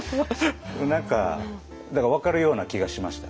何かだから分かるような気がしました。